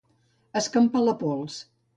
Escampar la pols.